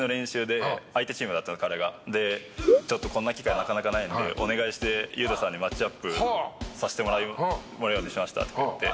でちょっとこんな機会なかなかないのでお願いして雄太さんにマッチアップさせてもらうようにしましたとか言って。